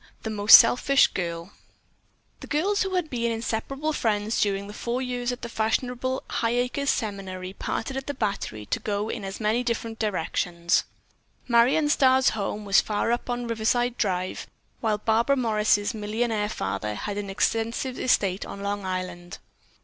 THE MOST SELFISH GIRL The girls who had been inseparable friends during the four years at the fashionable Highacres Seminary parted at the Battery to go in as many different directions. Marion Starr's home was far up on Riverside Drive, while Barbara Morris' millionaire father had an extensive estate on Long Island.